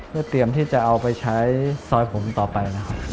เพื่อเตรียมที่จะเอาไปใช้ซอยผมต่อไปนะครับ